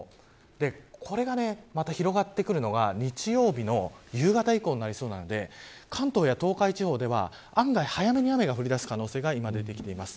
これが広がってくるのが日曜日の夕方以降になりそうなので関東や東海地方では案外、早めに雨が降りだす可能性があります。